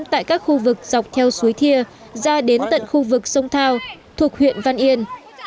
tại các khu vực dọc theo suối thia ra đến tận khu vực sông thao thuộc huyện văn yên